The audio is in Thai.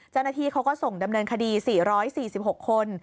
เจ้าหน้าที่เขาก็ส่งดำเนินคดี๔๔๖คน